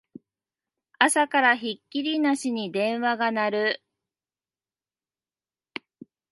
朝からひっきりなしに電話が鳴る